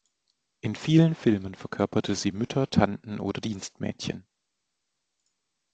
In vielen Filmen verkörperte sie Mütter, Tanten oder Dienstmädchen.